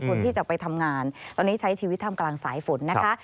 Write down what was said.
คนที่จะไปทำงานตอนนี้ใช้ชีวิตทำกลางสายฝนนะคะ